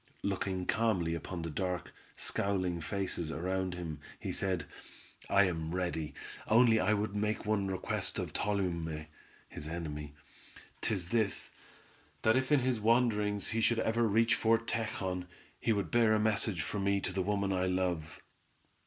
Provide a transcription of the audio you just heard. Looking calmly upon the dark, scowling faces around him, he said: "I am ready, only I would make one request of Tolume (his enemy), 'tis this; that if in his wanderings he should ever reach Fort Tejon, he would bear a message for me to the woman I love."